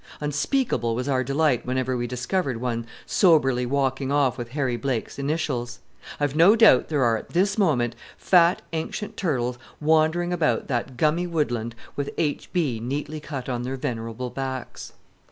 Unspeakable was our delight whenever we discovered one soberly walking off with Harry Blake's initials! I've no doubt there are, at this moment, fat ancient turtles wandering about that gummy woodland with H.B. neatly cut on their venerable backs.